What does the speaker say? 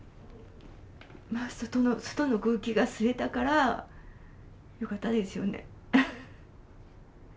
外の空気が吸えたからよかったですよね。